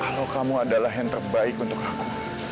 kalau kamu adalah yang terbaik untuk aku